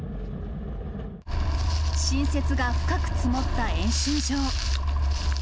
新雪が深く積もった演習場。